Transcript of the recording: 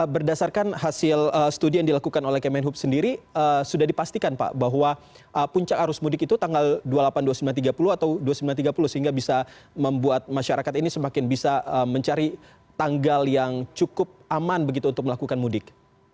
berdasarkan hasil studi yang dilakukan oleh kemenhub sendiri sudah dipastikan pak bahwa puncak arus mudik itu tanggal dua puluh delapan dua puluh sembilan tiga puluh atau dua puluh sembilan tiga puluh sehingga bisa membuat masyarakat ini semakin bisa mencari tanggal yang cukup aman begitu untuk melakukan mudik